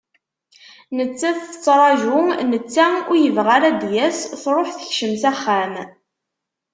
Nettat tettraju, netta ur yebɣi ara ad d-yas, truḥ tekcem s axxam.